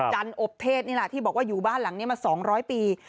อบเทศนี่แหละที่บอกว่าอยู่บ้านหลังนี้มา๒๐๐ปี